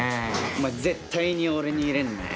お前絶対に俺に入れんなよ。